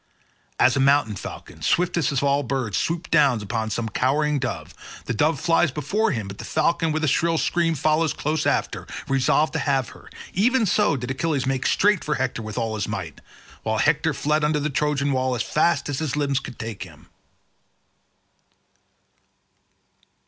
As a mountain falcon, swiftest of all birds, swoops down upon some cowering dove—the dove flies before him but the falcon with a shrill scream follows close after, resolved to have her—even so did Achilles make straight for Hector with all his might, while Hector fled under the Trojan wall as fast as his limbs could take him.